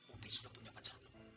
upi sudah punya pacar belum